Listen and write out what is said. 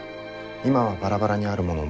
今はバラバラにあるものも。